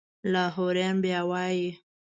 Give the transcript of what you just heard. لاهوریان بیا وایي.